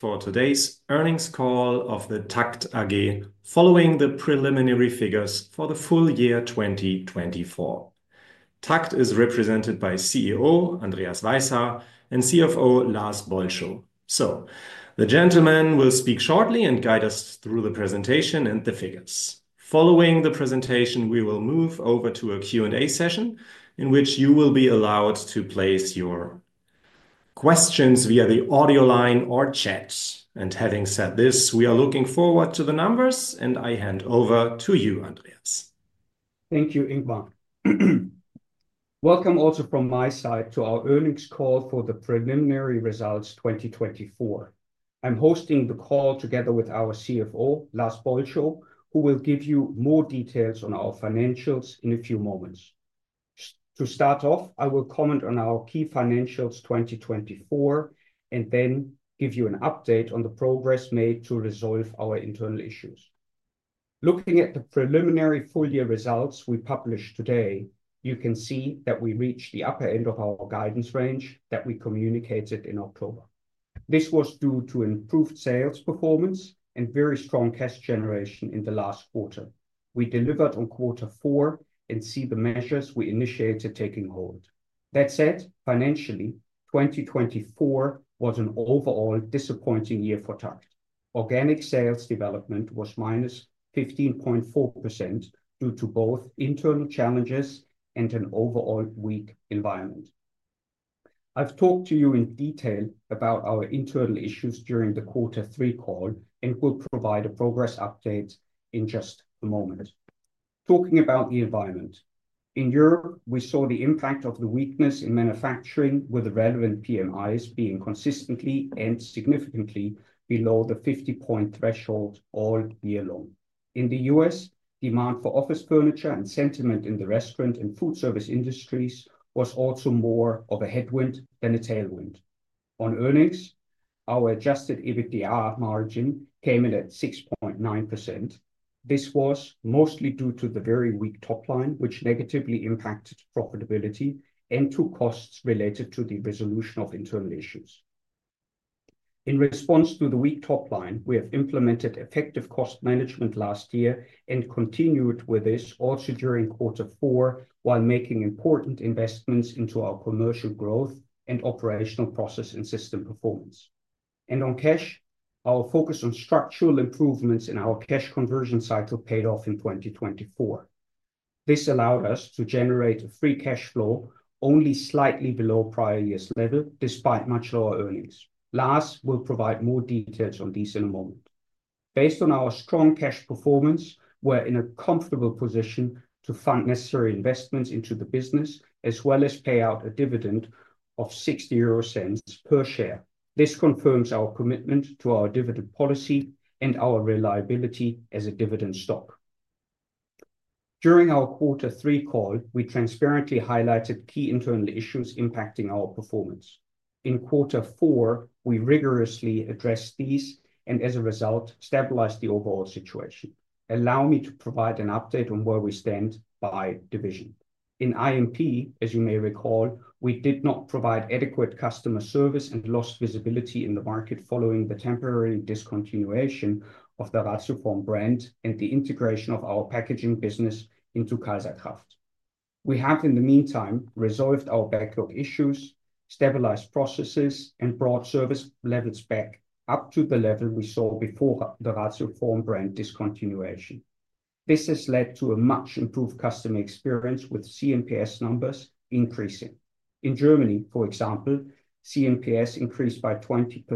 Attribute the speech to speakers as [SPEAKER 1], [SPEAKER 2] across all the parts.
[SPEAKER 1] For today's earnings call of the TAKKT AG, following the preliminary figures for the full year 2024. TAKKT is represented by CEO Andreas Weishaar and CFO Lars Bolschö, so the gentlemen will speak shortly and guide us through the presentation and the figures. Following the presentation, we will move over to a Q&A session in which you will be allowed to place your questions via the audio line or chat, and having said this, we are looking forward to the numbers, and I hand over to you, Andreas.
[SPEAKER 2] Thank you, Ingmar. Welcome also from my side to our earnings call for the preliminary results 2024. I'm hosting the call together with our CFO, Lars Bolschö, who will give you more details on our financials in a few moments. To start off, I will comment on our key financials 2024 and then give you an update on the progress made to resolve our internal issues. Looking at the preliminary full-year results we published today, you can see that we reached the upper end of our guidance range that we communicated in October. This was due to improved sales performance and very strong cash generation in the last quarter. We delivered on quarter four and see the measures we initiated taking hold. That said, financially, 2024 was an overall disappointing year for TAKKT. Organic sales development was -15.4% due to both internal challenges and an overall weak environment. I've talked to you in detail about our internal issues during the quarter three call and will provide a progress update in just a moment. Talking about the environment, in Euroope, we saw the impact of the weakness in manufacturing with the relevant PMIs being consistently and significantly below the 50-point threshold all year long. In the U.S., demand for office furniture and sentiment in the restaurant and food service industries was also more of a headwind than a tailwind. On earnings, our Adjusted EBITDA margin came in at 6.9%. This was mostly due to the very weak top line, which negatively impacted profitability and to costs related to the resolution of internal issues. In response to the weak top line, we have implemented effective cost management last year and continued with this also during quarter four while making important investments into our commercial growth and operational process and system performance, and on cash, our focus on structural improvements in our cash conversion cycle paid off in 2024. This allowed us to generate a free cash flow only slightly below prior year's level despite much lower earnings. Lars will provide more details on these in a moment. Based on our strong cash performance, we're in a comfortable position to fund necessary investments into the business as well as pay out a dividend of Euro 0.60 per share. This confirms our commitment to our dividend policy and our reliability as a dividend stock. During our quarter three call, we transparently highlighted key internal issues impacting our performance. In quarter four, we rigorously addressed these and as a result, stabilized the overall situation. Allow me to provide an update on where we stand by division. In I&P, as you may recall, we did not provide adequate customer service and lost visibility in the market following the temporary discontinuation of the Ratioform brand and the integration of our packaging business into Kaiserkraft. We have in the meantime resolved our backlog issues, stabilized processes, and brought service levels back up to the level we saw before the Ratioform brand discontinuation. This has led to a much improved customer experience with CNPS numbers increasing. In Germany, for example, CNPS increased by 20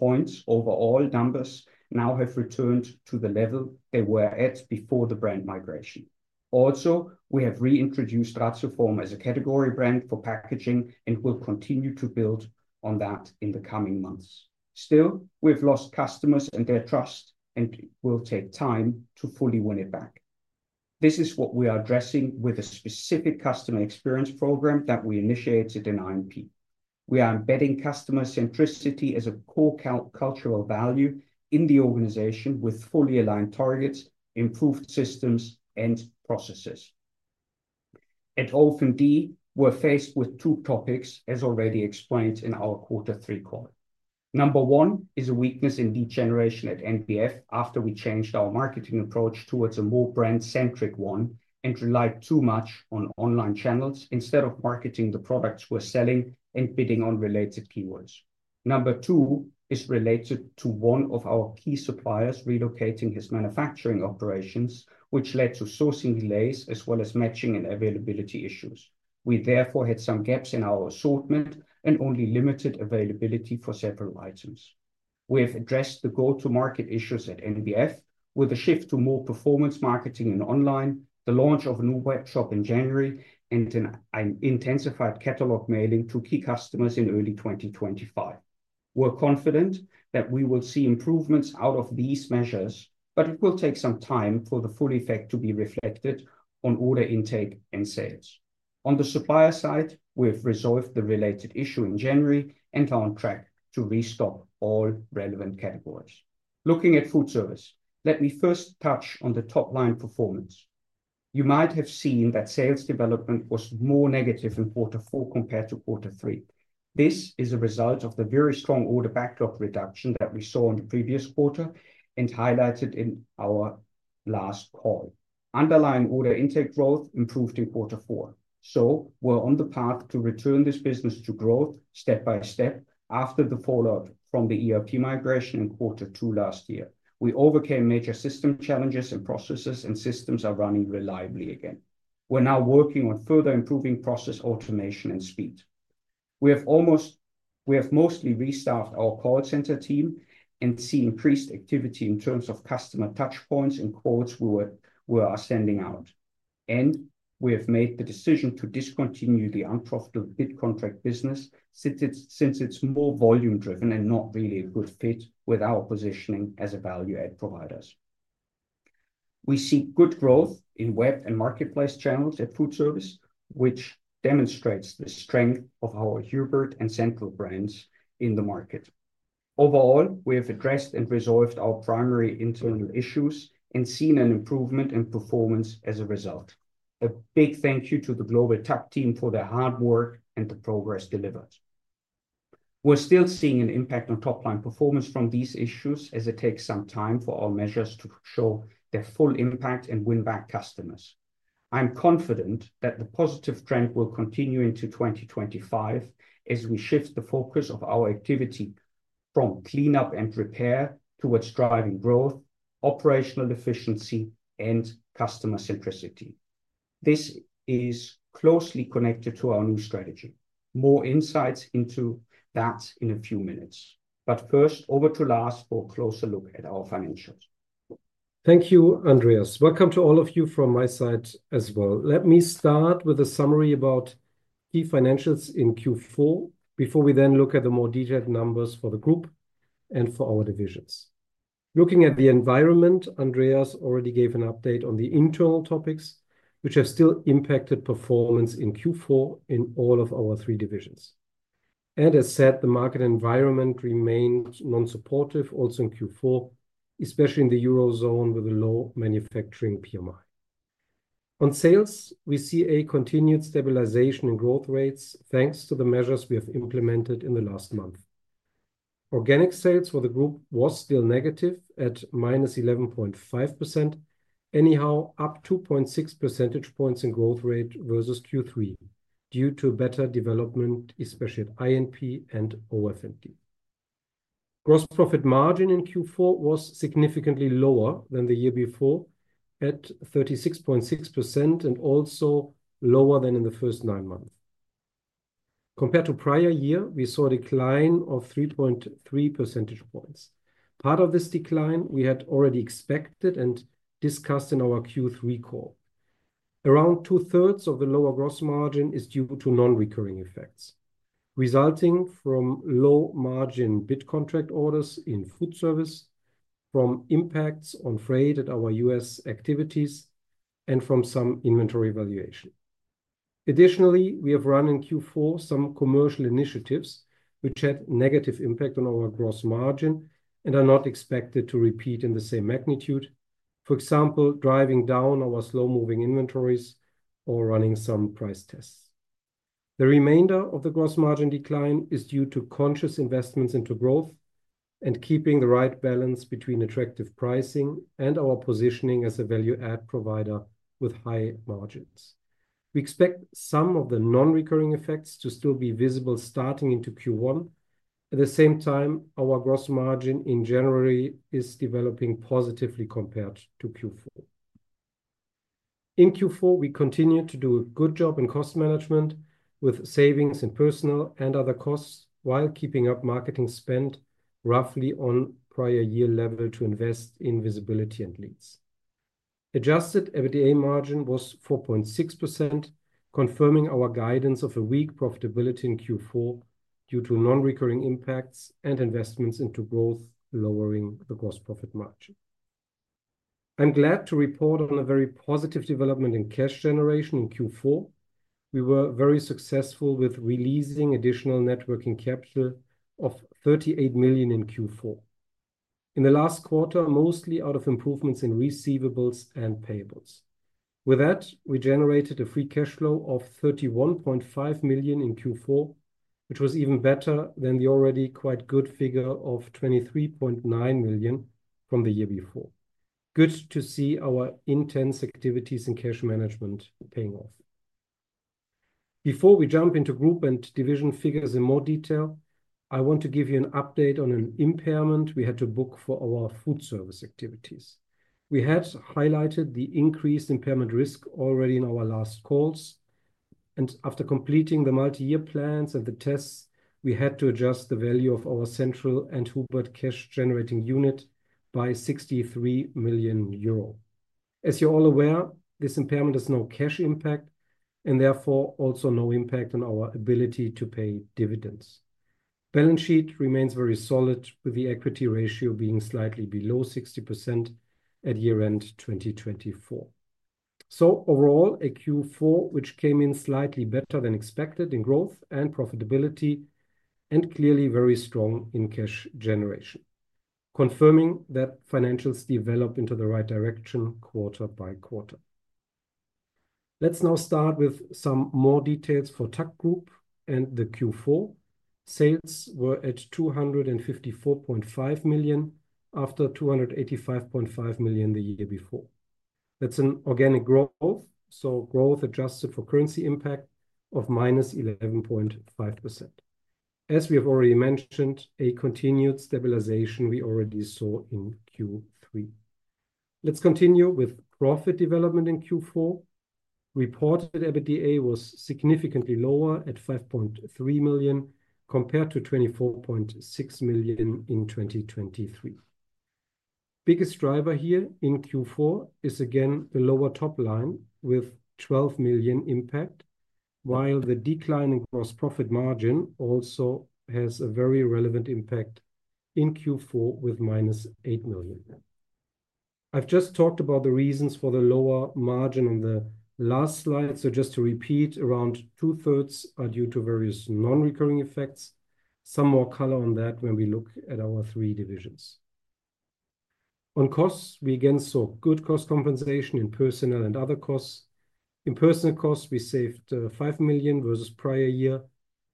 [SPEAKER 2] points overall. Numbers now have returned to the level they were at before the brand migration. Also, we have reintroduced Ratioform as a category brand for packaging and will continue to build on that in the coming months. Still, we've lost customers and their trust, and it will take time to fully win it back. This is what we are addressing with a specific customer experience program that we initiated in I&P. We are embedding customer centricity as a core cultural value in the organization with fully aligned targets, improved systems, and processes. At OF&D, we're faced with two topics, as already explained in our quarter three call. Number one is a weakness in lead generation at NBF after we changed our marketing approach towards a more brand-centric one and relied too much on online channels instead of marketing the products we're selling and bidding on related keywords. Number two is related to one of our key suppliers relocating his manufacturing operations, which led to sourcing delays as well as matching and availability issues. We therefore had some gaps in our assortment and only limited availability for several items. We have addressed the go-to-market issues at NBF with a shift to more performance marketing in online, the launch of a new webshop in January, and an intensified catalog mailing to key customers in early 2025. We're confident that we will see improvements out of these measures, but it will take some time for the full effect to be reflected on order intake and sales. On the supplier side, we have resolved the related issue in January and are on track to restock all relevant categories. Looking at FoodService, let me first touch on the top line performance. You might have seen that sales development was more negative in quarter four compared to quarter three. This is a result of the very strong order backlog reduction that we saw in the previous quarter and highlighted in our last call. Underlying order intake growth improved in quarter four. So we're on the path to return this business to growth step by step after the fallout from the ERP migration in quarter two last year. We overcame major system challenges and processes, and systems are running reliably again. We're now working on further improving process automation and speed. We have mostly restocked our call center team and see increased activity in terms of customer touchpoints and quotes we are sending out. And we have made the decision to discontinue the unprofitable bid contract business since it's more volume-driven and not really a good fit with our positioning as a value-add providers. We see good growth in web and marketplace channels at food service, which demonstrates the strength of our Hubert and Central brands in the market. Overall, we have addressed and resolved our primary internal issues and seen an improvement in performance as a result. A big thank you to the global TAKKT team for their hard work and the progress delivered. We're still seeing an impact on top line performance from these issues as it takes some time for our measures to show their full impact and win back customers. I'm confident that the positive trend will continue into 2025 as we shift the focus of our activity from cleanup and repair towards driving growth, operational efficiency, and customer centricity. This is closely connected to our new strategy. More insights into that in a few minutes. But first, over to Lars for a closer look at our financials.
[SPEAKER 3] Thank you, Andreas. Welcome to all of you from my side as well. Let me start with a summary about key financials in Q4 before we then look at the more detailed numbers for the group and for our divisions. Looking at the environment, Andreas already gave an update on the internal topics, which have still impacted performance in Q4 in all of our three divisions, and as said, the market environment remained non-supportive also in Q4, especially in the Eurozone with a low manufacturing PMI. On sales, we see a continued stabilization in growth rates thanks to the measures we have implemented in the last month. Organic sales for the group was still negative at -11.5%, anyhow up 2.6 percentage points in growth rate versus Q3 due to better development, especially at I&P and OF&D. Gross profit margin in Q4 was significantly lower than the year before at 36.6% and also lower than in the first nine months. Compared to prior year, we saw a decline of 3.3 percentage points. Part of this decline we had already expected and discussed in our Q3 call. Around two-thirds of the lower gross margin is due to non-recurring effects resulting from low margin bid contract orders in food service, from impacts on freight at our U.S. activities, and from some inventory valuation. Additionally, we have run in Q4 some commercial initiatives which had a negative impact on our gross margin and are not expected to repeat in the same magnitude, for example, driving down our slow-moving inventories or running some price tests. The remainder of the gross margin decline is due to conscious investments into growth and keeping the right balance between attractive pricing and our positioning as a value-add provider with high margins. We expect some of the non-recurring effects to still be visible starting into Q1. At the same time, our gross margin in January is developing positively compared to Q4. In Q4, we continue to do a good job in cost management with savings in personnel and other costs while keeping up marketing spend roughly on prior year level to invest in visibility and leads. Adjusted EBITDA margin was 4.6%, confirming our guidance of a weak profitability in Q4 due to non-recurring impacts and investments into growth lowering the gross profit margin. I'm glad to report on a very positive development in cash generation in Q4. We were very successful with releasing additional net working capital of Euro 38 million in Q4. In the last quarter, mostly out of improvements in receivables and payables. With that, we generated a free cash flow of Euro 31.5 million in Q4, which was even better than the already quite good figure of Euro 23.9 million from the year before. Good to see our intense activities in cash management paying off. Before we jump into group and division figures in more detail, I want to give you an update on an impairment we had to book for our food service activities. We had highlighted the increased impairment risk already in our last calls. After completing the multi-year plans and the tests, we had to adjust the value of our Central and Hubert cash-generating unit by Euro 63 million. As you're all aware, this impairment has no cash impact and therefore also no impact on our ability to pay dividends. Balance sheet remains very solid with the equity ratio being slightly below 60% at year-end 2024. So overall, a Q4 which came in slightly better than expected in growth and profitability and clearly very strong in cash generation, confirming that financials developed into the right direction quarter by quarter. Let's now start with some more details for TAKKT Group and the Q4. Sales were at Euro 254.5 million after Euro 285.5 million the year before. That's an organic growth, so growth adjusted for currency impact of -11.5%. As we have already mentioned, a continued stabilization we already saw in Q3. Let's continue with profit development in Q4. Reported EBITDA was significantly lower at Euro 5.3 million compared to Euro 24.6 million in 2023. Biggest driver here in Q4 is again the lower top line with Euro 12 million impact, while the declining gross profit margin also has a very relevant impact in Q4 with minus Euro 8 million. I've just talked about the reasons for the lower margin on the last slide, so just to repeat, around two-thirds are due to various non-recurring effects. Some more color on that when we look at our three divisions. On costs, we again saw good cost compensation in personnel and other costs. In personnel costs, we saved Euro 5 million versus prior year.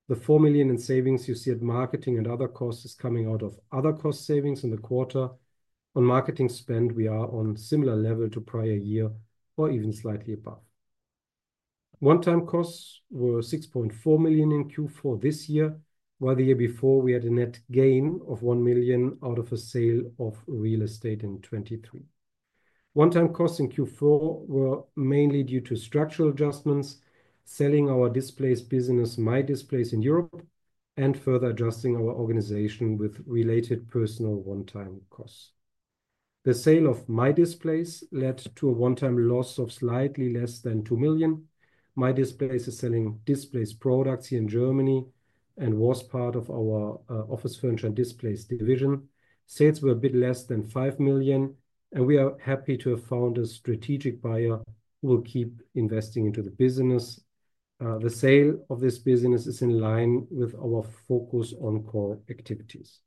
[SPEAKER 3] The Euro 4 million in savings you see at marketing and other costs is coming out of other cost savings in the quarter. On marketing spend, we are on a similar level to prior year or even slightly above. One-time costs were Euro 6.4 million in Q4 this year, while the year before we had a net gain of Euro 1 million out of a sale of real estate in 2023. One-time costs in Q4 were mainly due to structural adjustments, selling our displays business, Mydisplays in Euroope, and further adjusting our organization with related personnel one-time costs. The sale of Mydisplays led to a one-time loss of slightly less than Euro 2 million. Mydisplays is selling displays products here in Germany and was part of our office furniture and displays division. Sales were a bit less than Euro 5 million, and we are happy to have found a strategic buyer who will keep investing into the business. The sale of this business is in line with our focus on core activities.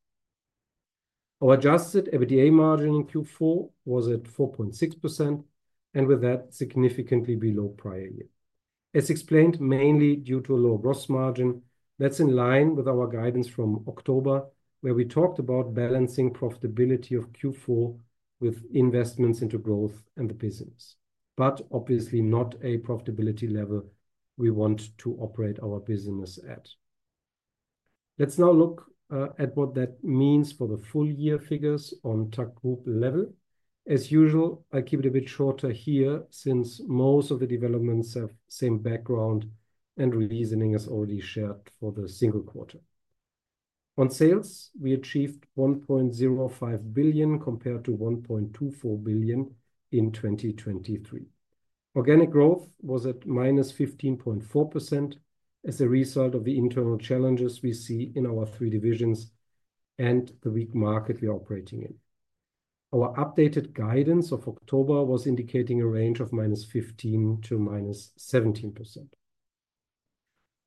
[SPEAKER 3] Our adjusted EBITDA margin in Q4 was at 4.6%, and with that, significantly below prior year. As explained, mainly due to a low gross margin, that's in line with our guidance from October, where we talked about balancing profitability of Q4 with investments into growth and the business, but obviously not a profitability level we want to operate our business at. Let's now look at what that means for the full year figures on TAKKT Group level. As usual, I'll keep it a bit shorter here since most of the developments have the same background and reasoning as already shared for the single quarter. On sales, we achieved Euro 1.05 billion compared to Euro 1.24 billion in 2023. Organic growth was at minus 15.4% as a result of the internal challenges we see in our three divisions and the weak market we are operating in. Our updated guidance of October was indicating a range of minus 15% to minus 17%.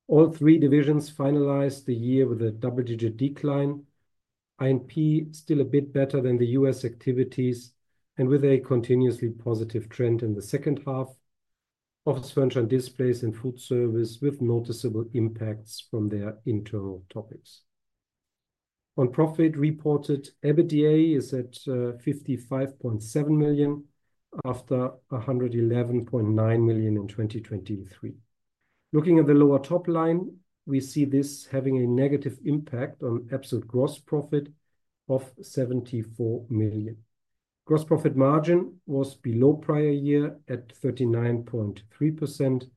[SPEAKER 3] All three divisions finalized the year with a double-digit decline. I&P still a bit better than the U.S. activities, and with a continuously positive trend in the second half. Office furniture and displays and food service with noticeable impacts from their internal topics. On profit reported EBITDA is at Euro 55.7 million after Euro 111.9 million in 2023. Looking at the lower top line, we see this having a negative impact on absolute gross profit of Euro 74 million. Gross profit margin was below prior year at 39.3%,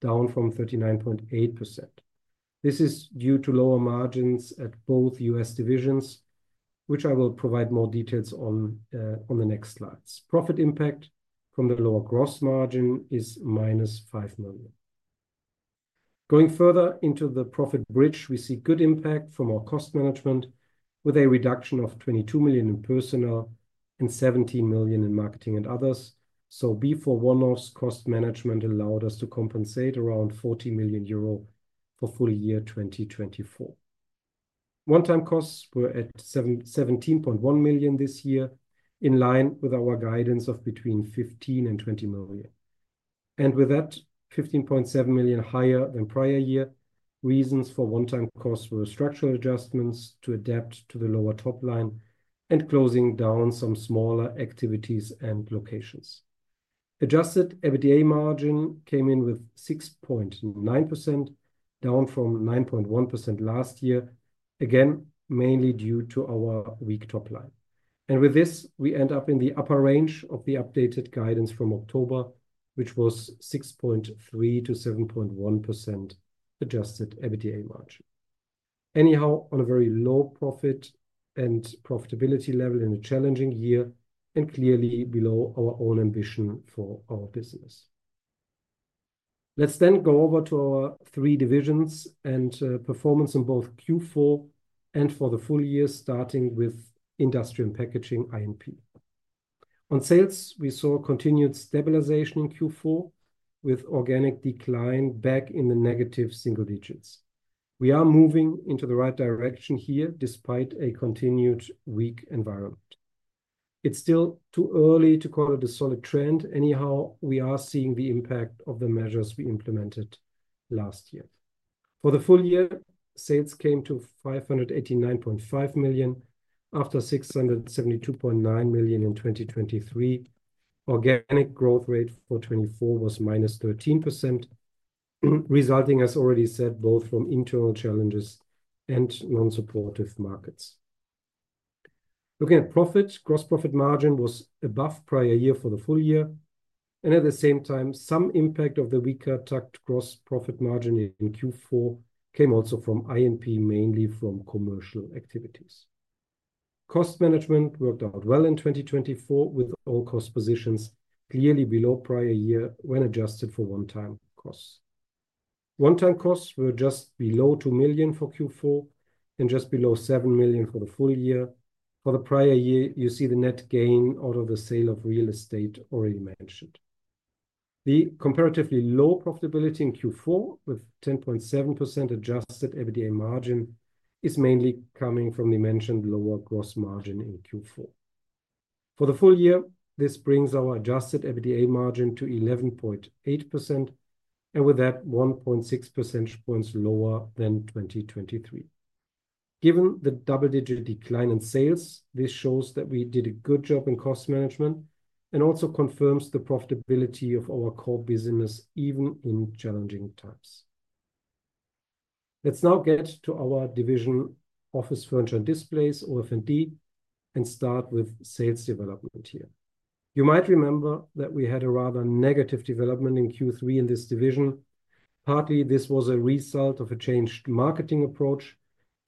[SPEAKER 3] down from 39.8%. This is due to lower margins at both U.S. divisions, which I will provide more details on on the next slides. Profit impact from the lower gross margin is minus Euro 5 million. Going further into the profit bridge, we see good impact from our cost management with a reduction of Euro 22 million in personnel and Euro 17 million in marketing and others. Before one-off cost management allowed us to compensate around Euro 40 million for full year 2024. One-time costs were at Euro 17.1 million this year, in line with our guidance of between Euro 15 million and Euro 20 million. With that, Euro 15.7 million higher than prior year. Reasons for one-time costs were structural adjustments to adapt to the lower top line and closing down some smaller activities and locations. Adjusted EBITDA margin came in with 6.9%, down from 9.1% last year, again mainly due to our weak top line. With this, we end up in the upper range of the updated guidance from October, which was 6.3%-7.1% adjusted EBITDA margin. Anyhow, on a very low profit and profitability level in a challenging year and clearly below our own ambition for our business. Let's then go over to our three divisions and performance in both Q4 and for the full year, starting with industrial and packaging I&P. On sales, we saw continued stabilization in Q4 with organic decline back in the negative single digits. We are moving into the right direction here despite a continued weak environment. It's still too early to call it a solid trend. Anyhow, we are seeing the impact of the measures we implemented last year. For the full year, sales came to Euro 589.5 million after Euro 672.9 million in 2023. Organic growth rate for 2024 was minus 13%, resulting, as already said, both from internal challenges and non-supportive markets. Looking at profit, gross profit margin was above prior year for the full year. At the same time, some impact of the weaker TAKKT gross profit margin in Q4 came also from I&P, mainly from commercial activities. Cost management worked out well in 2024 with all cost positions clearly below prior year when adjusted for one-time costs. One-time costs were just below Euro 2 million for Q4 and just below Euro 7 million for the full year. For the prior year, you see the net gain out of the sale of real estate already mentioned. The comparatively low profitability in Q4 with 10.7% adjusted EBITDA margin is mainly coming from the mentioned lower gross margin in Q4. For the full year, this brings our adjusted EBITDA margin to 11.8%, and with that, 1.6 percentage points lower than 2023. Given the double-digit decline in sales, this shows that we did a good job in cost management and also confirms the profitability of our core business even in challenging times. Let's now get to our division, office furniture and displays, or OF&D, and start with sales development here. You might remember that we had a rather negative development in Q3 in this division. Partly, this was a result of a changed marketing approach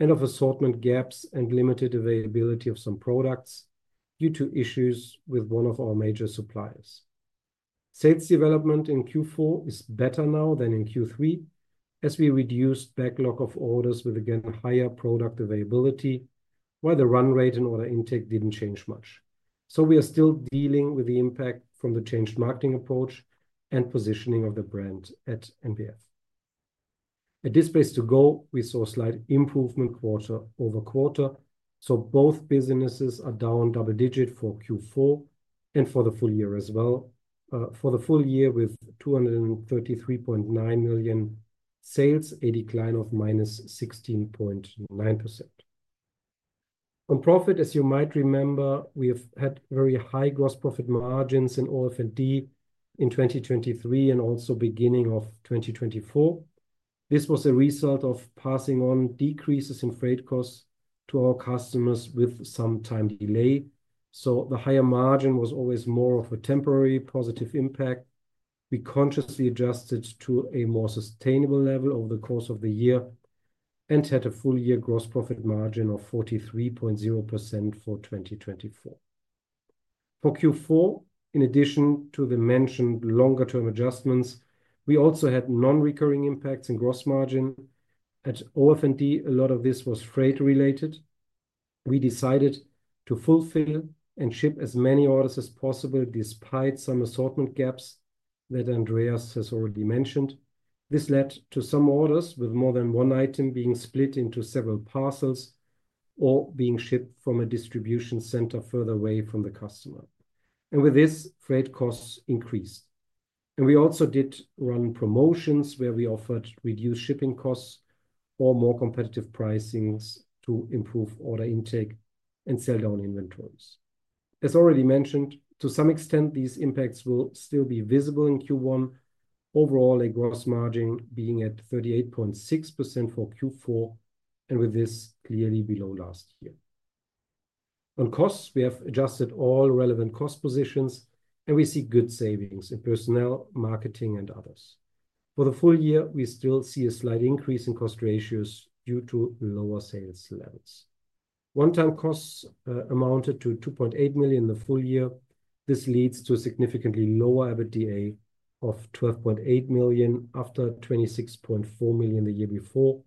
[SPEAKER 3] and of assortment gaps and limited availability of some products due to issues with one of our major suppliers. Sales development in Q4 is better now than in Q3 as we reduced backlog of orders with, again, higher product availability, while the run rate and order intake didn't change much. So we are still dealing with the impact from the changed marketing approach and positioning of the brand at NBF. At Displays2go, we saw a slight improvement quarter over quarter. So both businesses are down double-digit for Q4 and for the full year as well. For the full year with Euro 233.9 million sales, a decline of -16.9%. On profit, as you might remember, we have had very high gross profit margins in all OF&D in 2023 and also beginning of 2024. This was a result of passing on decreases in freight costs to our customers with some time delay. So the higher margin was always more of a temporary positive impact. We consciously adjusted to a more sustainable level over the course of the year and had a full year gross profit margin of 43.0% for 2024. For Q4, in addition to the mentioned longer-term adjustments, we also had non-recurring impacts in gross margin. At OF&D, a lot of this was freight-related. We decided to fulfill and ship as many orders as possible despite some assortment gaps that Andreas has already mentioned. This led to some orders with more than one item being split into several parcels or being shipped from a distribution center further away from the customer, and with this, freight costs increased, and we also did run promotions where we offered reduced shipping costs or more competitive pricings to improve order intake and sell down inventories. As already mentioned, to some extent, these impacts will still be visible in Q1. Overall, a gross margin being at 38.6% for Q4 and with this clearly below last year. On costs, we have adjusted all relevant cost positions and we see good savings in personnel, marketing, and others. For the full year, we still see a slight increase in cost ratios due to lower sales levels. One-time costs amounted to Euro 2.8 million in the full year. This leads to a significantly lower EBITDA of Euro 12.8 million after Euro 26.4 million the year before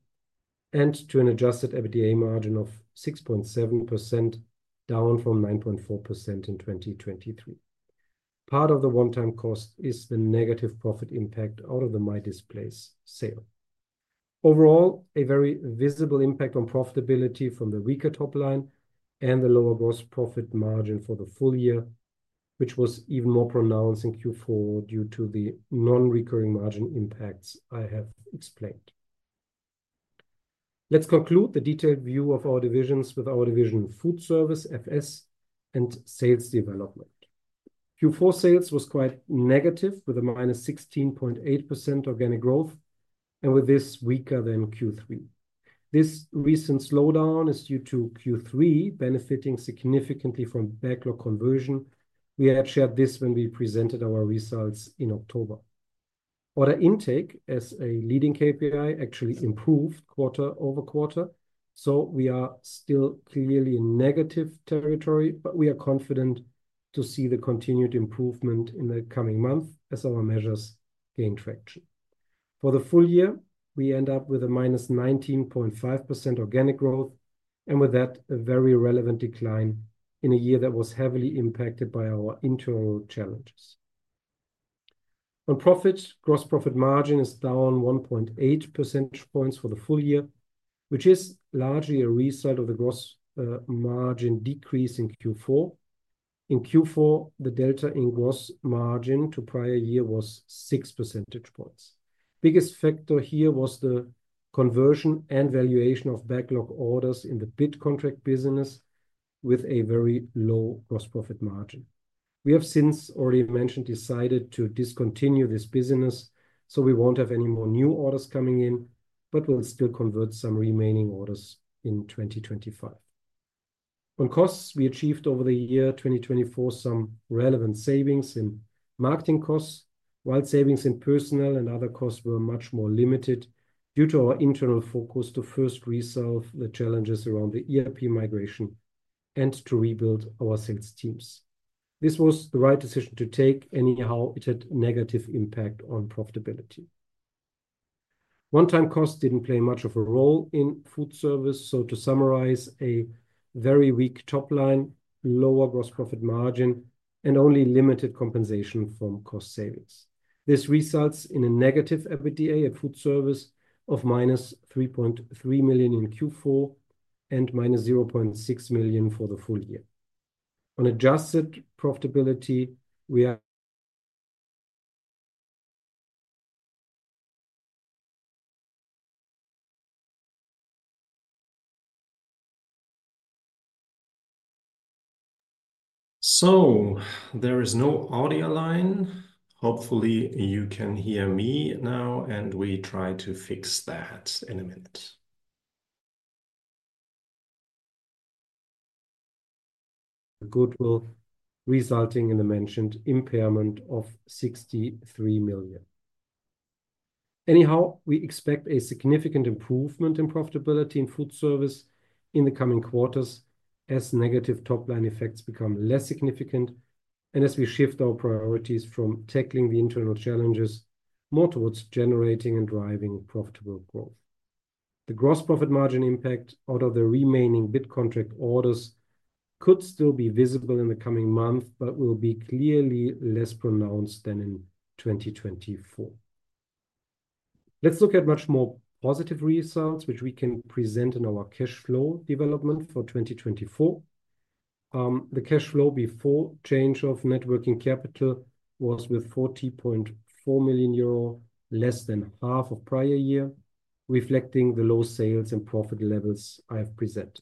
[SPEAKER 3] and to an adjusted EBITDA margin of 6.7%, down from 9.4% in 2023. Part of the one-time cost is the negative profit impact out of the Mydisplays sale. Overall, a very visible impact on profitability from the weaker top line and the lower gross profit margin for the full year, which was even more pronounced in Q4 due to the non-recurring margin impacts I have explained. Let's conclude the detailed view of our divisions with our division, FoodService FS and Sales Development. Q4 sales was quite negative with a -16.8% organic growth and with this weaker than Q3. This recent slowdown is due to Q3 benefiting significantly from backlog conversion. We had shared this when we presented our results in October. Order intake as a leading KPI actually improved quarter over quarter, so we are still clearly in negative territory, but we are confident to see the continued improvement in the coming month as our measures gain traction. For the full year, we end up with a minus 19.5% organic growth and with that, a very relevant decline in a year that was heavily impacted by our internal challenges. On profit, gross profit margin is down 1.8 percentage points for the full year, which is largely a result of the gross margin decrease in Q4. In Q4, the delta in gross margin to prior year was 6 percentage points. Biggest factor here was the conversion and valuation of backlog orders in the bid contract business with a very low gross profit margin. We have since already mentioned decided to discontinue this business, so we won't have any more new orders coming in, but we'll still convert some remaining orders in 2025. On costs, we achieved over the year 2024 some relevant savings in marketing costs, while savings in personnel and other costs were much more limited due to our internal focus to first resolve the challenges around the ERP migration and to rebuild our sales teams. This was the right decision to take, anyhow, it had a negative impact on profitability. One-time costs didn't play much of a role in Foodservice, so to summarize, a very weak top line, lower gross profit margin, and only limited compensation from cost savings. This results in a negative EBITDA at Foodservice of - Euro3.3 million in Q4 and - Euro0.6 million for the full year. On adjusted profitability, we are...
[SPEAKER 2] There is no audio line. Hopefully, you can hear me now, and we try to fix that in a minute.
[SPEAKER 3] Goodwill resulting in the mentioned impairment of Euro63 million. Anyhow, we expect a significant improvement in profitability in food service in the coming quarters as negative top line effects become less significant and as we shift our priorities from tackling the internal challenges more towards generating and driving profitable growth. The gross profit margin impact out of the remaining bid contract orders could still be visible in the coming month, but will be clearly less pronounced than in 2024. Let's look at much more positive results, which we can present in our cash flow development for 2024. The cash flow before change of net working capital was with 40.4 million Euro, less than half of prior year, reflecting the low sales and profit levels I have presented.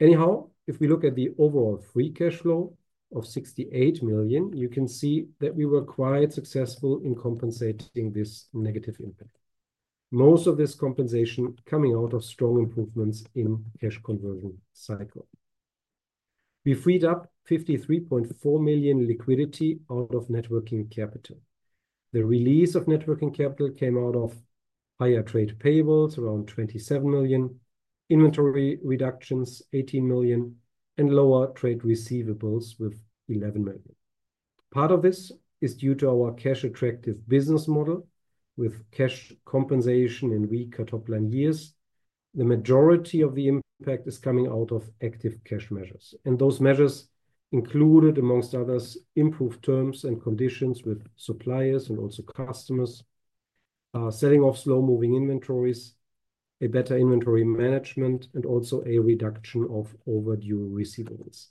[SPEAKER 3] Anyhow, if we look at the overall free cash flow of Euro 68 million, you can see that we were quite successful in compensating this negative impact. Most of this compensation coming out of strong improvements in cash conversion cycle. We freed up Euro 53.4 million liquidity out of net working capital. The release of net working capital came out of higher trade payables around Euro 27 million, inventory reductions Euro 18 million, and lower trade receivables with Euro 11 million. Part of this is due to our cash attractive business model with cash compensation in weaker top line years. The majority of the impact is coming out of active cash measures, and those measures included, amongst others, improved terms and conditions with suppliers and also customers, selling off slow-moving inventories, a better inventory management, and also a reduction of overdue receivables.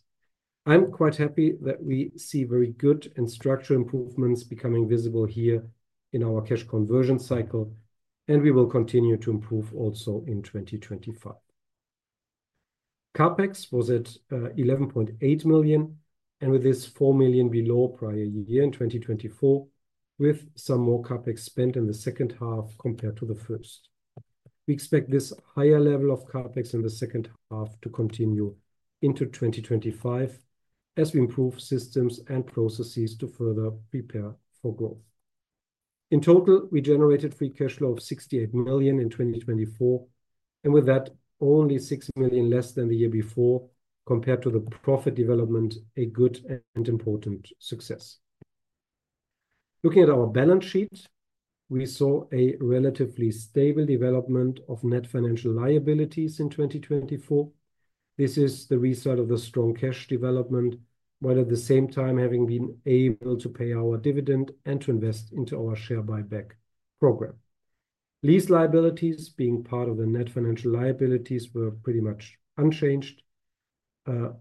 [SPEAKER 3] I'm quite happy that we see very good and structural improvements becoming visible here in our cash conversion cycle, and we will continue to improve also in 2025. CAPEX was at Euro 11.8 million, and with this Euro 4 million below prior year in 2024, with some more CAPEX spent in the second half compared to the first. We expect this higher level of CAPEX in the second half to continue into 2025 as we improve systems and processes to further prepare for growth. In total, we generated free cash flow of Euro 68 million in 2024, and with that, only Euro 6 million less than the year before compared to the profit development, a good and important success. Looking at our balance sheet, we saw a relatively stable development of net financial liabilities in 2024. This is the result of the strong cash development, while at the same time having been able to pay our dividend and to invest into our share buyback program. Lease liabilities being part of the net financial liabilities were pretty much unchanged.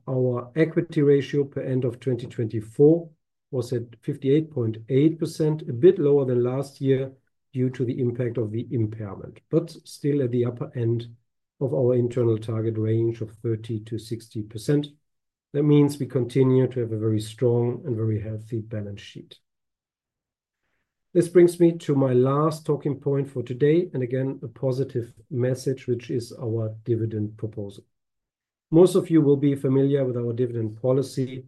[SPEAKER 3] Our equity ratio per end of 2024 was at 58.8%, a bit lower than last year due to the impact of the impairment, but still at the upper end of our internal target range of 30%-60%. That means we continue to have a very strong and very healthy balance sheet. This brings me to my last talking point for today, and again, a positive message, which is our dividend proposal. Most of you will be familiar with our dividend policy.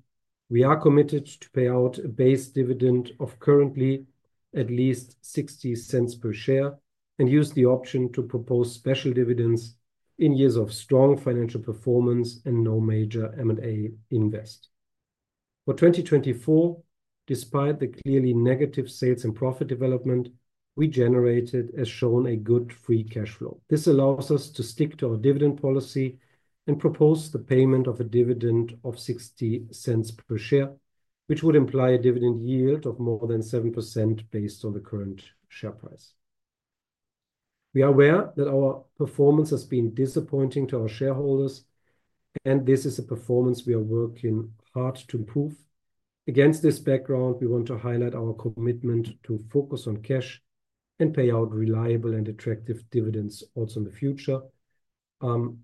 [SPEAKER 3] We are committed to pay out a base dividend of currently at least Euro 0.60 per share and use the option to propose special dividends in years of strong financial performance and no major M&A invest. For 2024, despite the clearly negative sales and profit development, we generated, as shown, a good Free Cash Flow. This allows us to stick to our dividend policy and propose the payment of a dividend of Euro 0.60 per share, which would imply a dividend yield of more than 7% based on the current share price. We are aware that our performance has been disappointing to our shareholders, and this is a performance we are working hard to improve. Against this background, we want to highlight our commitment to focus on cash and pay out reliable and attractive dividends also in the future.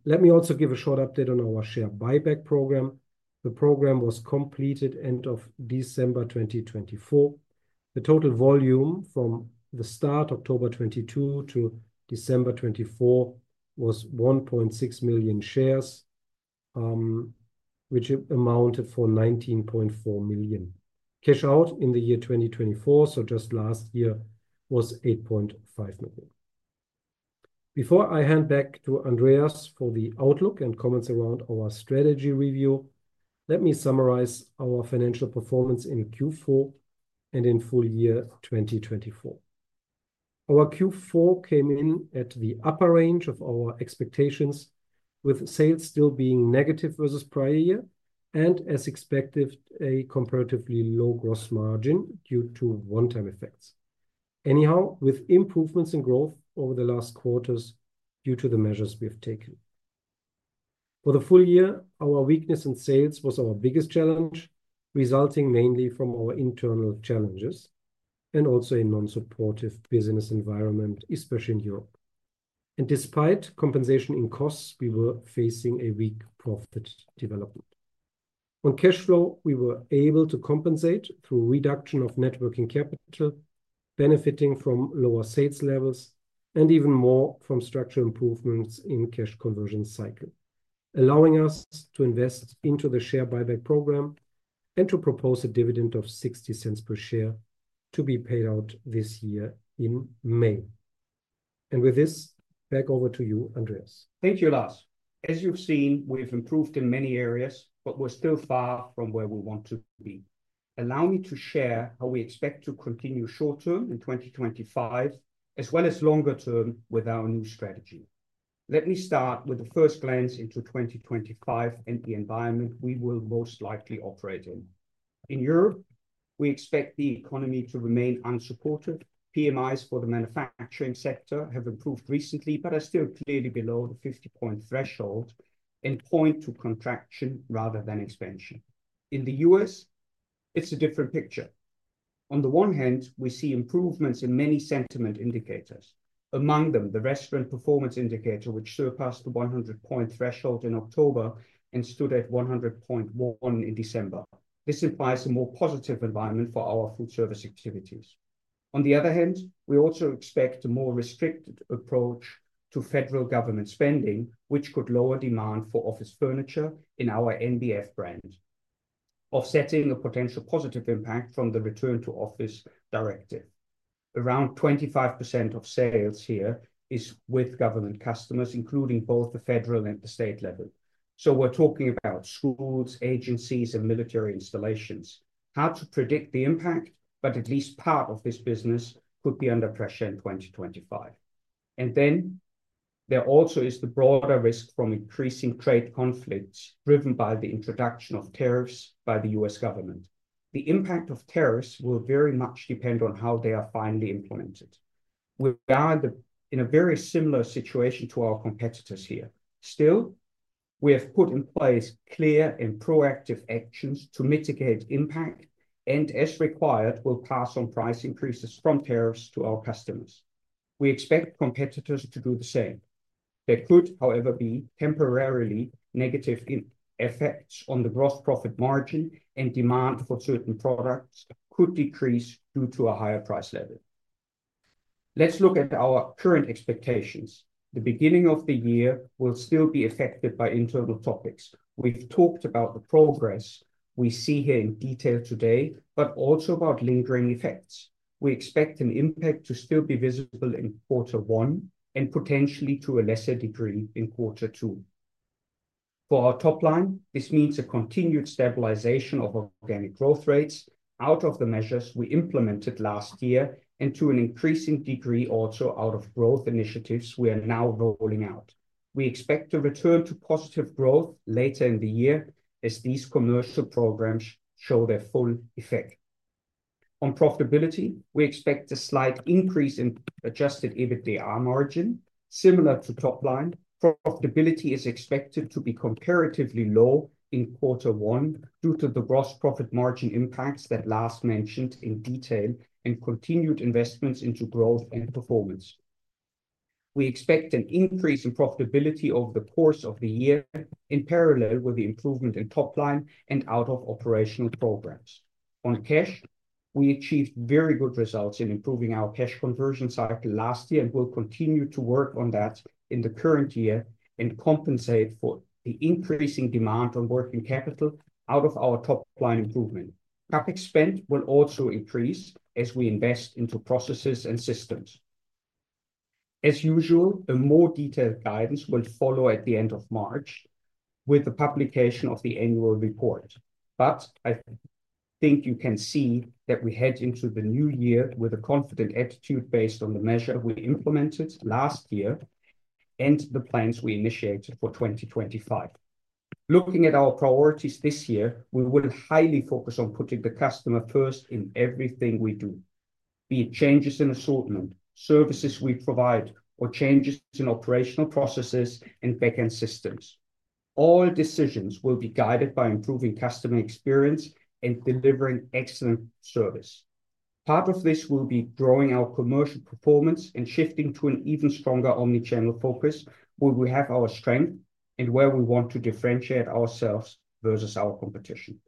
[SPEAKER 3] Let me also give a short update on our share buyback program. The program was completed end of December 2024. The total volume from the start of October 2022 to December 2024 was 1.6 million shares, which amounted to Euro 19.4 million. Cash out in the year 2024, so just last year, was Euro 8.5 million. Before I hand back to Andreas for the outlook and comments around our strategy review, let me summarize our financial performance in Q4 and in full year 2024. Our Q4 came in at the upper range of our expectations, with sales still being negative versus prior year and, as expected, a comparatively low gross margin due to one-time effects. Anyhow, with improvements in growth over the last quarters due to the measures we have taken. For the full year, our weakness in sales was our biggest challenge, resulting mainly from our internal challenges and also a non-supportive business environment, especially in Europe. Despite compensation in costs, we were facing a weak profit development. On cash flow, we were able to compensate through reduction of net working capital, benefiting from lower sales levels, and even more from structural improvements in cash conversion cycle, allowing us to invest into the share buyback program and to propose a dividend of Euro 0.60 per share to be paid out this year in May. With this, back over to you, Andreas.
[SPEAKER 2] Thank you, Lars. As you've seen, we've improved in many areas, but we're still far from where we want to be. Allow me to share how we expect to continue short-term in 2025, as well as longer-term with our new strategy. Let me start with the first glance into 2025 and the environment we will most likely operate in. In Euroope, we expect the economy to remain unsupported. PMIs for the manufacturing sector have improved recently, but are still clearly below the 50-point threshold and point to contraction rather than expansion. In the U.S., it's a different picture. On the one hand, we see improvements in many sentiment indicators. Among them, the Restaurant Performance Indicator, which surpassed the 100-point threshold in October and stood at 100.1 in December. This implies a more positive environment for our food service activities. On the other hand, we also expect a more restricted approach to federal government spending, which could lower demand for office furniture in our NBF brand, offsetting a potential positive impact from the return to office directive. Around 25% of sales here is with government customers, including both the federal and the state level. So we're talking about schools, agencies, and military installations. Hard to predict the impact, but at least part of this business could be under pressure in 2025, and then there also is the broader risk from increasing trade conflicts driven by the introduction of tariffs by the U.S. government. The impact of tariffs will very much depend on how they are finally implemented. We are in a very similar situation to our competitors here. Still, we have put in place clear and proactive actions to mitigate impact, and as required, we'll pass on price increases from tariffs to our customers. We expect competitors to do the same. There could, however, be temporarily negative effects on the gross profit margin, and demand for certain products could decrease due to a higher price level. Let's look at our current expectations. The beginning of the year will still be affected by internal topics. We've talked about the progress we see here in detail today, but also about lingering effects. We expect an impact to still be visible in quarter one and potentially to a lesser degree in quarter two. For our top line, this means a continued stabilization of organic growth rates out of the measures we implemented last year and to an increasing degree also out of growth initiatives we are now rolling out. We expect to return to positive growth later in the year as these commercial programs show their full effect. On profitability, we expect a slight increase in adjusted EBITDA margin, similar to top line. Profitability is expected to be comparatively low in quarter one due to the gross profit margin impacts that Lars mentioned in detail and continued investments into growth and performance. We expect an increase in profitability over the course of the year in parallel with the improvement in top line and out-of-operational programs. On cash, we achieved very good results in improving our cash conversion cycle last year and will continue to work on that in the current year and compensate for the increasing demand on working capital out of our top line improvement. CapEx spent will also increase as we invest into processes and systems. As usual, a more detailed guidance will follow at the end of March with the publication of the annual report. But I think you can see that we head into the new year with a confident attitude based on the measure we implemented last year and the plans we initiated for 2025. Looking at our priorities this year, we will highly focus on putting the customer first in everything we do, be it changes in assortment, services we provide, or changes in operational processes and back-end systems. All decisions will be guided by improving customer experience and delivering excellent service. Part of this will be growing our commercial performance and shifting to an even stronger omnichannel focus where we have our strength and where we want to differentiate ourselves versus our competition.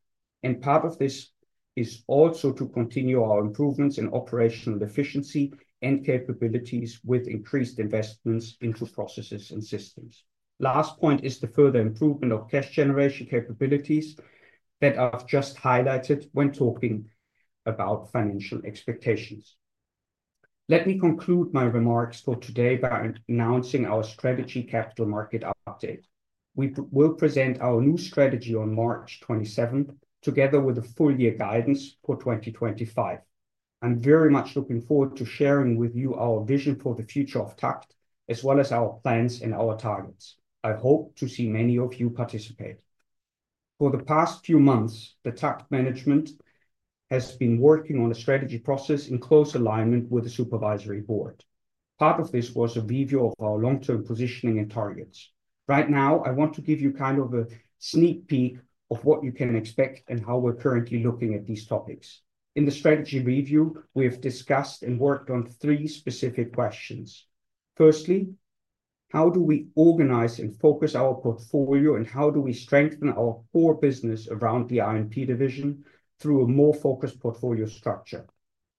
[SPEAKER 2] And part of this is also to continue our improvements in operational efficiency and capabilities with increased investments into processes and systems. Last point is the further improvement of cash generation capabilities that I've just highlighted when talking about financial expectations. Let me conclude my remarks for today by announcing our strategy capital market update. We will present our new strategy on March 27th together with the full year guidance for 2025. I'm very much looking forward to sharing with you our vision for the future of TAKKT, as well as our plans and our targets. I hope to see many of you participate. For the past few months, the TAKKT management has been working on a strategy process in close alignment with the supervisory board. Part of this was a review of our long-term positioning and targets. Right now, I want to give you kind of a sneak peek of what you can expect and how we're currently looking at these topics. In the strategy review, we have discussed and worked on three specific questions. Firstly, how do we organize and focus our portfolio, and how do we strengthen our core business around the I&P division through a more focused portfolio structure?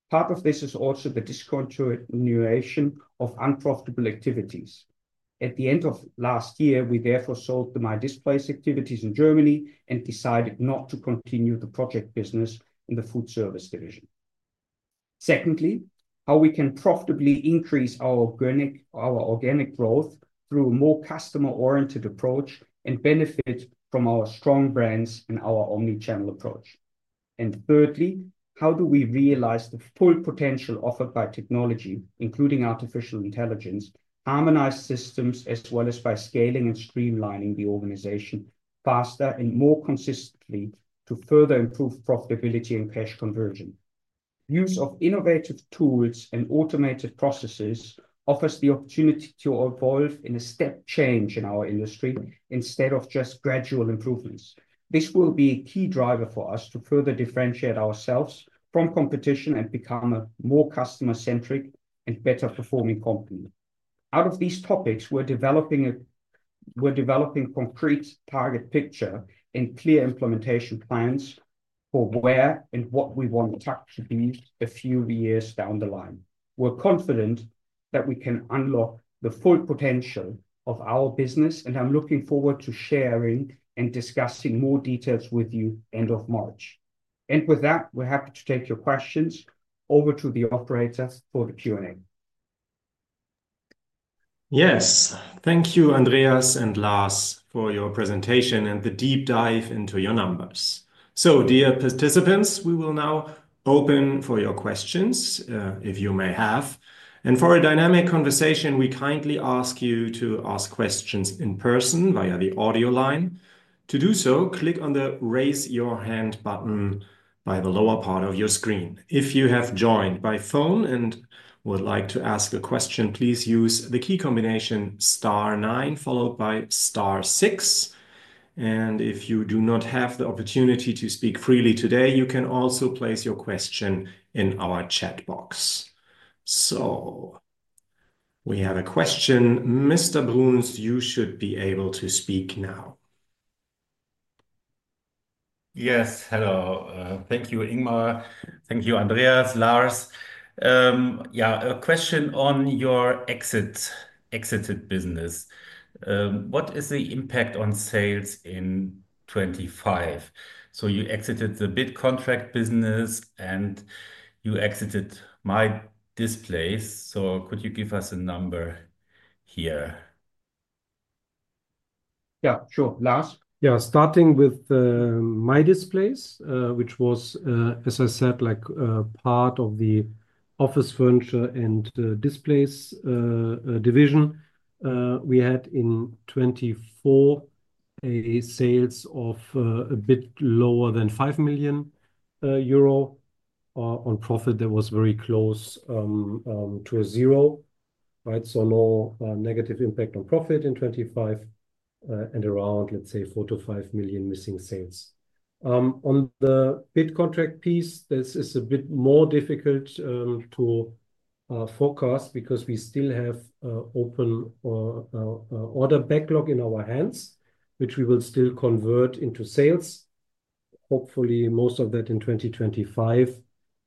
[SPEAKER 2] Part of this is also the discontinuation of unprofitable activities. At the end of last year, we therefore sold the Mydisplays activities in Germany and decided not to continue the project business in the FoodService division. Secondly, how we can profitably increase our organic growth through a more customer-oriented approach and benefit from our strong brands and our omnichannel approach. And thirdly, how do we realize the full potential offered by technology, including artificial intelligence, harmonized systems, as well as by scaling and streamlining the organization faster and more consistently to further improve profitability and cash conversion?
[SPEAKER 4] Use of innovative tools and automated processes offers the opportunity to evolve in a step change in our industry instead of just gradual improvements. This will be a key driver for us to further differentiate ourselves from competition and become a more customer-centric and better-performing company. Out of these topics, we're developing a concrete target picture and clear implementation plans for where and what we want TAKKT to be a few years down the line. We're confident that we can unlock the full potential of our business, and I'm looking forward to sharing and discussing more details with you at the end of March, and with that, we're happy to take your questions over to the operators for the Q&A. Yes, thank you, Andreas and Lars, for your presentation and the deep dive into your numbers, so dear participants, we will now open for your questions, if you may have.
[SPEAKER 1] And for a dynamic conversation, we kindly ask you to ask questions in person via the audio line. To do so, click on the raise your hand button by the lower part of your screen. If you have joined by phone and would like to ask a question, please use the key combination star nine followed by star six. And if you do not have the opportunity to speak freely today, you can also place your question in our chat box. So we have a question. Mr. Bruhns, you should be able to speak now.
[SPEAKER 5] Yes, hello. Thank you, Ingmar. Thank you, Andreas, Lars. Yeah, a question on your exited business. What is the impact on sales in 2025? So you exited the bid contract business and you exited Mydisplays. So could you give us a number here? Yeah, sure. Lars.
[SPEAKER 3] Yeah, starting with Mydisplays, which was, as I said, like part of the office furniture and displays division, we had in 2024 sales of a bit lower than Euro 5 million on profit. That was very close to zero, right? So no negative impact on profit in 2025 and around, let's say, Euro 4 million to Euro 5 million missing sales. On the bid contract piece, this is a bit more difficult to forecast because we still have an open order backlog in our hands, which we will still convert into sales. Hopefully, most of that in 2025,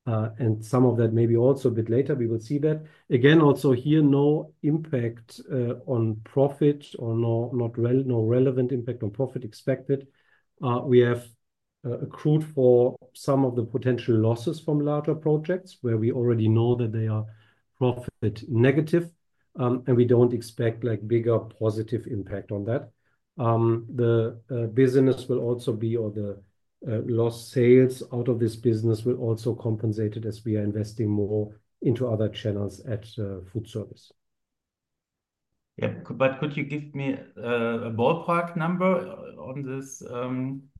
[SPEAKER 3] and some of that maybe also a bit later. We will see that. Again, also here, no impact on profit or no relevant impact on profit expected. We have accrued for some of the potential losses from larger projects where we already know that they are profit negative, and we don't expect like bigger positive impact on that. The business will also be, or the lost sales out of this business will also compensate it as we are investing more into other channels at food service. Yeah, but could you give me a ballpark number on this on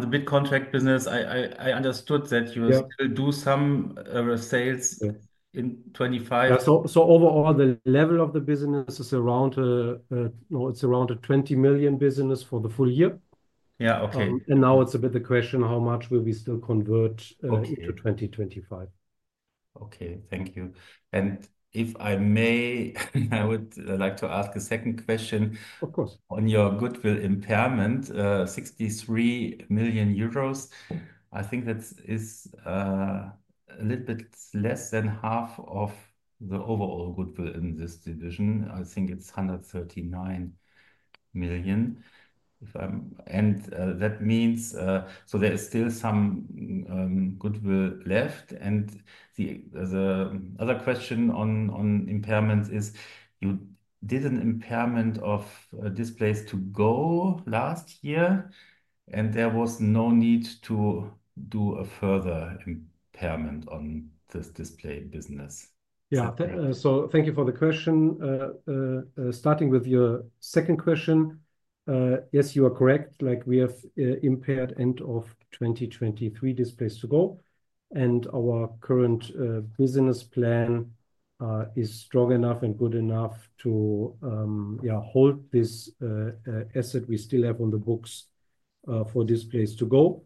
[SPEAKER 3] the bid contract business? I understood that you will still do some sales in 2025. So overall, the level of the business is around, no, it's around a 20 million business for the full year. Yeah, okay. And now it's a bit the question, how much will we still convert into 2025?
[SPEAKER 5] Okay, thank you. And if I may, I would like to ask a second question. Of course. On your goodwill impairment, 63 million Euro, I think that is a little bit less than half of the overall goodwill in this division. I think it's 139 million Euro, and that means so there is still some goodwill left. The other question on impairments is you did an impairment of Displays2go last year, and there was no need to do a further impairment on this display business.
[SPEAKER 3] Yeah, so thank you for the question. Starting with your second question, yes, you are correct. Like we have impaired end of 2023 Displays2go. And our current business plan is strong enough and good enough to, yeah, hold this asset we still have on the books for Displays2go,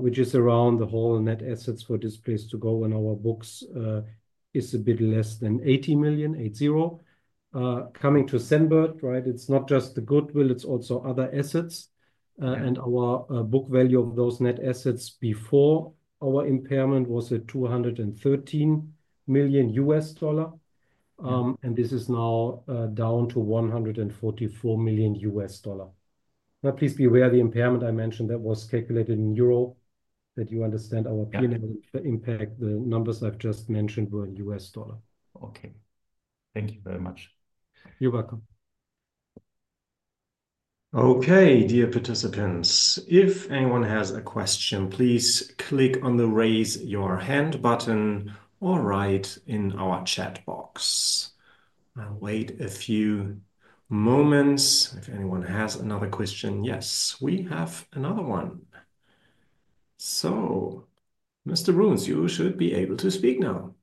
[SPEAKER 3] which is around the whole net assets for Displays2go on our books is a bit less than 80 million Euro, eight zero. Coming to Central, right? It's not just the goodwill, it's also other assets. Our book value of those net assets before our impairment was at $213 million. This is now down to $144 million. Now, please be aware the impairment I mentioned that was calculated in Euro, that you understand our impact, the numbers I've just mentioned were in US dollars.
[SPEAKER 5] Okay, thank you very much. You're welcome.
[SPEAKER 1] Okay, dear participants, if anyone has a question, please click on the raise your hand button or write in our chat box. I'll wait a few moments. If anyone has another question, yes, we have another one. Mr. Bruhns, you should be able to speak now.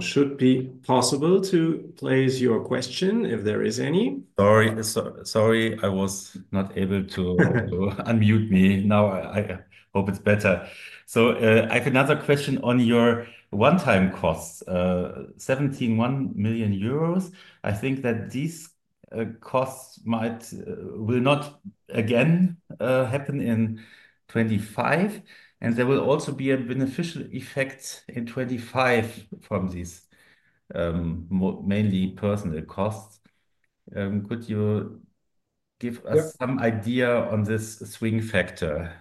[SPEAKER 1] Should be possible to place your question if there is any.
[SPEAKER 5] Sorry, sorry, I was not able to unmute me. Now I hope it's better. So I have another question on your one-time costs, Euro 17 million. I think that these costs might, will not again happen in 2025, and there will also be a beneficial effect in 2025 from these mainly personal costs. Could you give us some idea on this swing factor?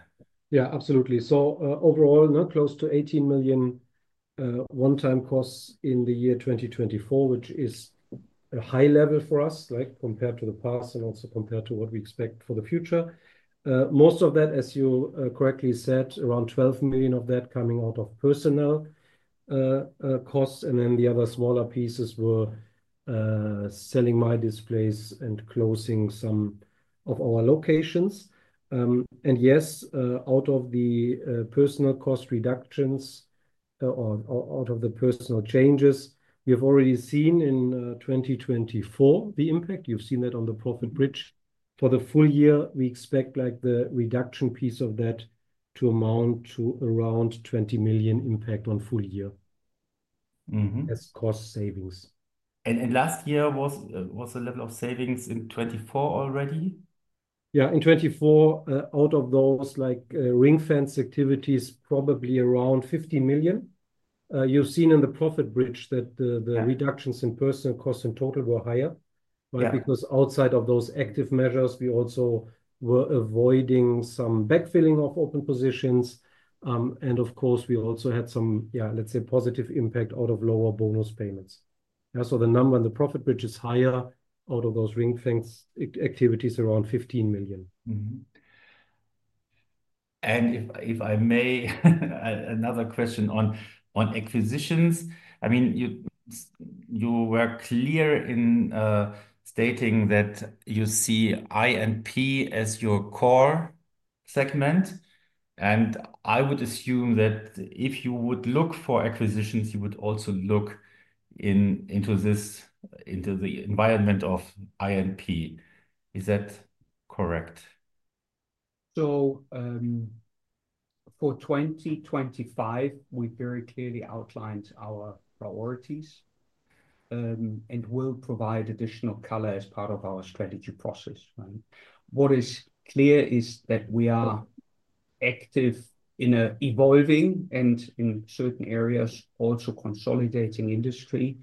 [SPEAKER 3] Yeah, absolutely. So overall, close to Euro 18 million one-time costs in the year 2024, which is a high level for us, like compared to the past and also compared to what we expect for the future. Most of that, as you correctly said, around Euro 12 million of that coming out of personal costs. And then the other smaller pieces were selling Mydisplays and closing some of our locations. And yes, out of the personal cost reductions or out of the personal changes, we have already seen in 2024 the impact. You've seen that on the profit bridge. For the full year, we expect like the reduction piece of that to amount to around Euro 20 million impact on full year as cost savings. And last year was the level of savings in 2024 already? Yeah, in 2024, out of those like ring fence activities, probably around Euro 50 million. You've seen in the profit bridge that the reductions in personnel costs in total were higher, right? Because outside of those active measures, we also were avoiding some backfilling of open positions. And of course, we also had some, yeah, let's say positive impact out of lower bonus payments. So the number on the profit bridge is higher out of those ring fence activities around Euro 15 million.
[SPEAKER 5] And if I may, another question on acquisitions. I mean, you were clear in stating that you see I&P as your core segment. I would assume that if you would look for acquisitions, you would also look into the environment of I&P. Is that correct?
[SPEAKER 2] So for 2025, we very clearly outlined our priorities and will provide additional color as part of our strategy process. What is clear is that we are active in an evolving and in certain areas also consolidating industry.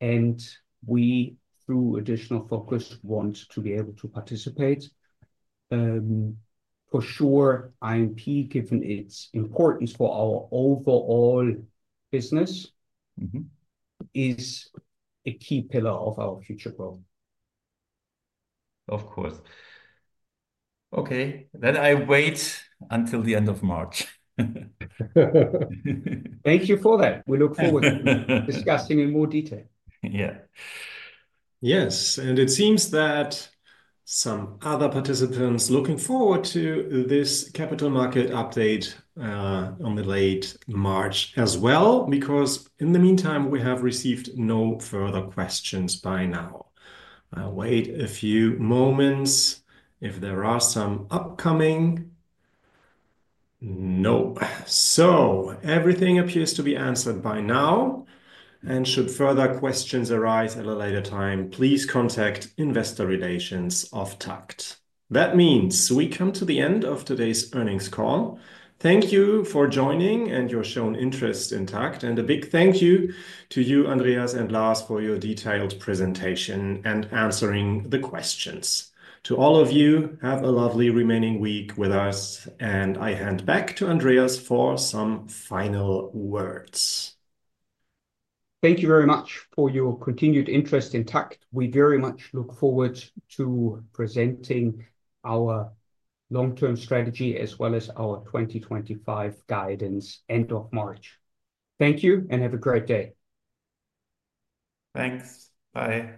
[SPEAKER 2] And we, through additional focus, want to be able to participate. For sure, I&P, given its importance for our overall business, is a key pillar of our future growth.
[SPEAKER 5] Of course. Okay, then I wait until the end of March.
[SPEAKER 3] Thank you for that. We look forward to discussing in more detail. Yeah.
[SPEAKER 1] Yes. And it seems that some other participants are looking forward to this capital market update on the late March as well, because in the meantime, we have received no further questions by now. I'll wait a few moments. If there are some upcoming, no, so everything appears to be answered by now, and should further questions arise at a later time, please contact investor relations of TAKKT. That means we come to the End of today's earnings call. Thank you for joining and your shown interest in TAKKT, and a big thank you to you, Andreas and Lars, for your detailed presentation and answering the questions. To all of you, have a lovely remaining week with us, and I hand back to Andreas for some final words.
[SPEAKER 2] Thank you very much for your continued interest in TAKKT. We very much look forward to presenting our long-term strategy as well as our 2025 guidance end of March. Thank you and have a great day. Thanks. Bye.